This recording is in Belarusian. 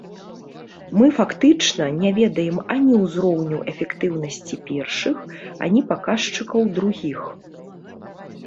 Мы фактычна не ведаем ані ўзроўню эфектыўнасці першых, ані паказчыкаў другіх.